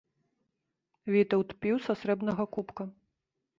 Вітаўт піў са срэбнага кубка.